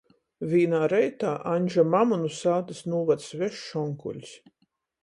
Vīnā reitā Aņža mamu nu sātys nūvad svešs onkuļs.